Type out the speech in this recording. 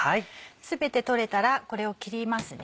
全て取れたらこれを切ります。